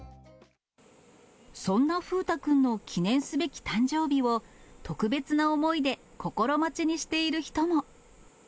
そんな風太くんの記念すべき誕生日を、特別な思いで心待ちにしている人も。